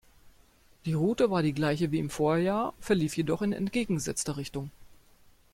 Die Route war die gleiche wie im Vorjahr, verlief jedoch in entgegengesetzter Richtung.